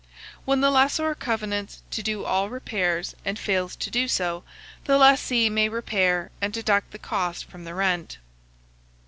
When the lessor covenants to do all repairs, and fails to do so, the lessee may repair, and deduct the cost from the rent.